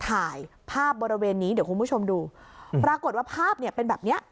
ถ่ายภาพบริเวณนี้เดี๋ยวคุณผู้ชมดูปรากฏว่าภาพเนี่ยเป็นแบบเนี้ย